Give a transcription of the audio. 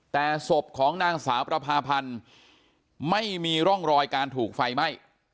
แต่ศพของนางสาวประพาพันธ์ไม่มีร่องรอยการถูกไฟไหม้